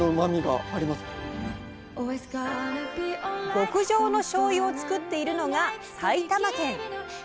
極上のしょうゆを造っているのが埼玉県。